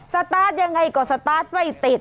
สตาร์ทยังไงก็สตาร์ทไม่ติด